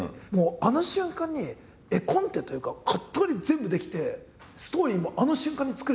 あの瞬間に絵コンテというかカット割り全部できてストーリーもあの瞬間に作れちゃうわけじゃないですか。